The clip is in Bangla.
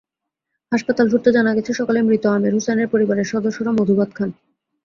হাসপাতাল সূত্রে জানা গেছে, সকালে মৃত আমির হোছাইনের পরিবারের সদস্যরা মধুভাত খান।